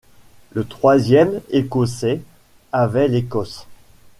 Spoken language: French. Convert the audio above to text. Le troisième, écossais, avait l’Écosse.